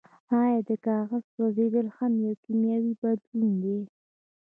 ایا د کاغذ سوځیدل هم یو کیمیاوي بدلون دی